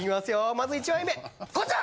まず１枚目こちら！